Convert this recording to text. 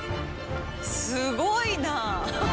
すごいなあ。